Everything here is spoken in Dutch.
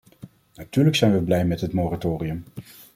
Natuurlijk zijn we blij met het moratorium.